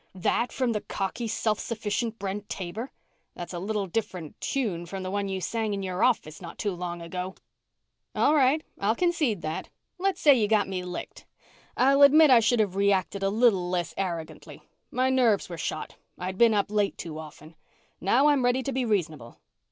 That from the cocky, self sufficient Brent Taber? That's a little different tune from the one you sang in your office, not too long ago." "All right. I'll concede that. Let's say you've got me licked. I'll admit I should have reacted a little less arrogantly. My nerves were shot. I'd been up late too often. Now I'm ready to be reasonable."